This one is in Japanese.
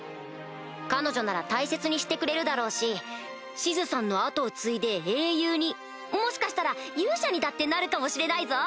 彼女なら大切にしてくれるだろうしシズさんの後を継いで英雄にもしかしたら勇者にだってなるかもしれないぞ！